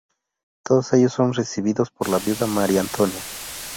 Todos ellos son recibidos por la viuda María Antonia.